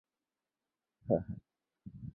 拉斐尔故居。